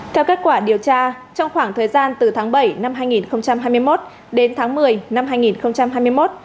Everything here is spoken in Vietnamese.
theo kết quả điều tra trong khoảng thời gian từ tháng bảy năm hai nghìn hai mươi một đến tháng một mươi năm hai nghìn hai mươi một